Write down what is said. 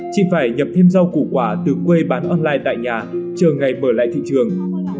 chị phải nhập thêm rau củ quả từ quê bán online tại nhà chờ ngày mở lại thị trường